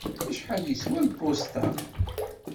Acḥal yeswa lpuṣt-a?